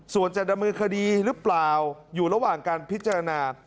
ส่วนจะดำเนินคดีหรือเปล่าอยู่ระหว่างการพิจารณา